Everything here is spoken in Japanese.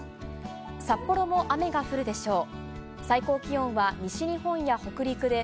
札幌も雨が降るでしょう。